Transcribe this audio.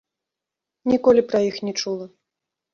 Ніколі пра іх не чула.